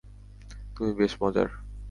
তুমি বেশ মজার!